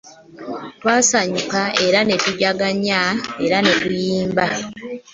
Twasanyuka ne tujaguza era ne tuyimba